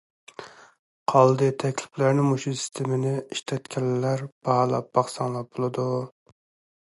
قالدى تەكلىپلەرنى مۇشۇ سىستېمىنى ئىشلەتكەنلەر باھالاپ باقساڭلار بولىدۇ.